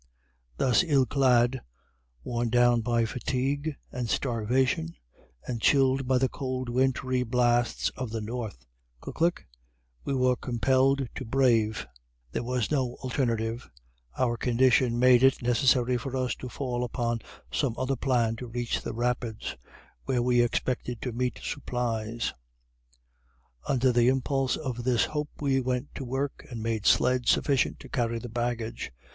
Thus, ill clad, worn down by fatigue and starvation, and chilled by the cold wintry blasts of the north we were compelled to brave there was no alternative our condition made it necessary for us to fall upon some other plan to reach the Rapids, where we expected to meet supplies. Under the impulse of this hope we went to work and made sleds sufficient to carry the baggage.